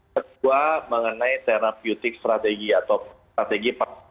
kedua mengenai terapiotik strategi atau strategi